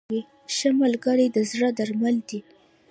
• ښه ملګری د زړه درمل دی.